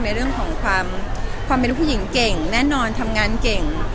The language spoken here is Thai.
ในเรื่องของความเป็นลูกผู้หญิงเก่งแน่นอนทำงานเก่ง